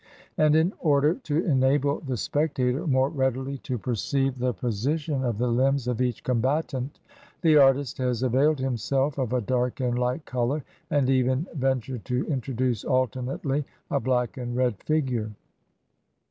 And, in order to enable the spectator more readily to perceive the 26 HOW EGYPTIANS AMUSED THEMSELVES position of the limbs of each combatant, the artist has availed himself of a dark and light color, and even ven tured to introduce alternately a black and red figure.